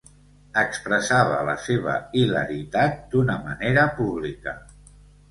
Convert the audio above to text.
Expressava la seva hilaritat d'una manera pública.